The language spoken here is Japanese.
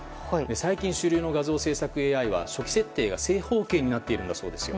最近、主流の画像制作ＡＩは初期設定が正方形になっているそうです。